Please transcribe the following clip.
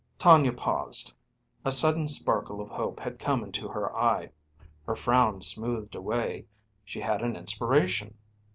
Tonia paused. A sudden sparkle of hope had come into her eye. Her frown smoothed away. She had an inspiration.